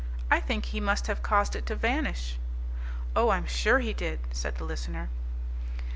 I think he must have caused it to vanish." "Oh, I'm sure he did," said the listener.